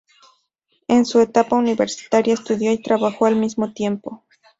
En su etapa universitaria, estudió y trabajó al mismo tiempo.